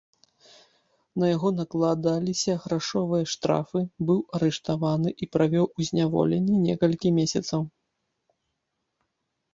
На яго накладаліся грашовыя штрафы, быў арыштаваны і правёў у зняволенні некалькі месяцаў.